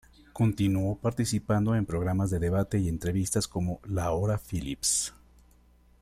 Continuó participando en programas de debate y entrevistas, como "La hora Philips".